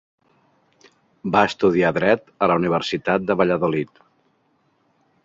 Va estudiar dret a la Universitat de Valladolid.